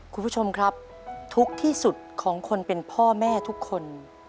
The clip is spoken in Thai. คุณผู้ชมครับทุกข์ที่สุดของคนเป็นพ่อแม่ทุกคน